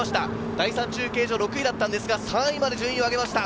第３中継所、６位だったんですが、３位まで順位を上げました。